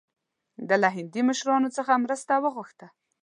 ده له هندي مشرانو څخه مرسته وغوښته.